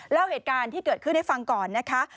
เล่าเหตุการณ์ที่เกิดขึ้นให้ฟังก่อนนะคะ